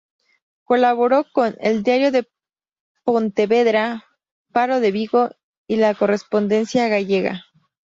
Colaboró con "El Diario de Pontevedra", "Faro de Vigo" y "La Correspondencia Gallega".